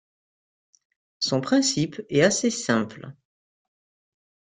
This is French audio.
Son principe est assez simple.